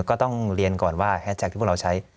ก็ต้องเรียนก่อนว่าแฮชแท็กที่พวกเราใช้